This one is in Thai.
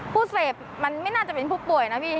ผู้เสพมันไม่น่าจะเป็นผู้ป่วยนะพี่